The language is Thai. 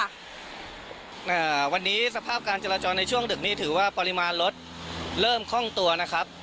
อ่าวันนี้สภาพการจราจรในช่วงดึกนี้ถือว่าปริมาณรถเริ่มคล่องตัวนะครับ